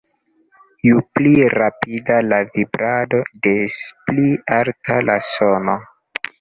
Ju pli rapida la vibrado, des pli alta la sono.